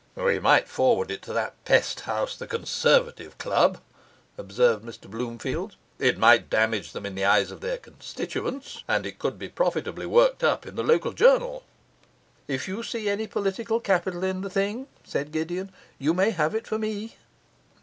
'We might forward it to that pest house, the Conservative Club,' observed Mr Bloomfield. 'It might damage them in the eyes of their constituents; and it could be profitably worked up in the local journal.' 'If you see any political capital in the thing,' said Gideon, 'you may have it for me.